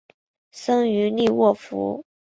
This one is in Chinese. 生于利沃夫。